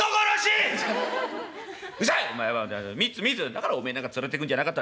だからおめえなんか連れてくんじゃなかった。